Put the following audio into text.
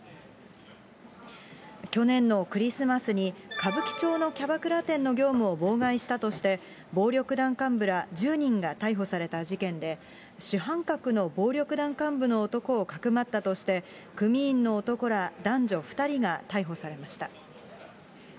去年のクリスマスに、歌舞伎町のキャバクラ店の業務を妨害したとして、暴力団幹部ら１０人が逮捕された事件で、主犯格の暴力団幹部の男をかくまったとして、組員の男ら男女２人が逮捕されました。